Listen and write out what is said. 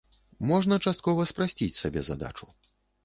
Можна часткова спрасціць сабе задачу.